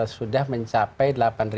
sudah mencapai delapan dua ratus empat puluh